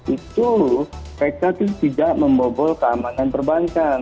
itu mereka tidak membobol keamanan perbankan